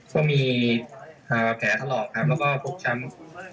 ก็มีแผลถลอกครับแล้วก็ฟกช้ำ